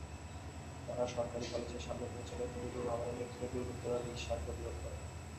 তাঁরা সরকারি কলেজের সামনে পৌঁছালে তৌহিদুর রহমানের নেতৃত্বে দুর্বৃত্তরা রিকশার গতিরোধ করে।